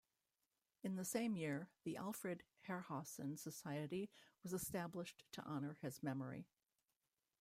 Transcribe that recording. In the same year, the Alfred Herrhausen Society was established to honour his memory.